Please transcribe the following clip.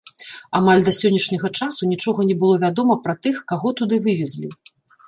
Амаль да сённяшняга часу нічога не было вядома пра тых, каго туды вывезлі.